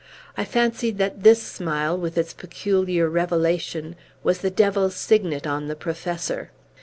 I fancied that this smile, with its peculiar revelation, was the Devil's signet on the Professor.